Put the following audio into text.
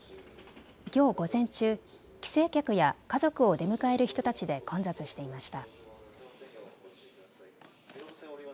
きょう午前中、帰省客や家族を出迎える人たちで混雑していました。